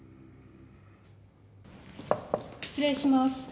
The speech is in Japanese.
失礼します。